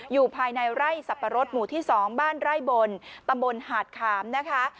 อยู่ภายในไร่สับปะรดหมู่ที่๒บ้านไร่บนตำบลหาดขามนะคะ